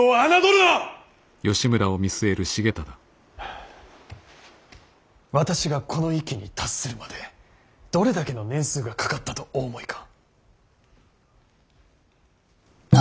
あ私がこの域に達するまでどれだけの年数がかかったとお思いか。